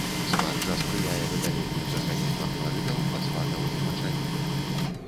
Спаржа спрыяе выдаленню з арганізма хларыдаў, фасфатаў і мачавіны.